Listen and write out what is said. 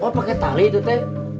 kok pakai tali itu te